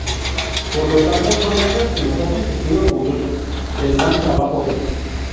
Por lo tanto son hechos que nos hacen sentir orgullosos del gran trabajo hecho.